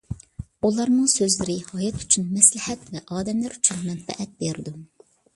ئۇلارنىڭ سۆزلىرى ھايات ئۈچۈن مەسلىھەت ۋە ئادەملەر ئۈچۈن مەنپەئەت بېرىدۇ.